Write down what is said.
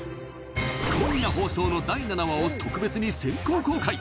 今夜放送の第７話を特別に先行公開！